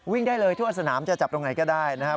ได้เลยทั่วสนามจะจับตรงไหนก็ได้นะครับ